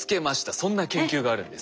そんな研究があるんです。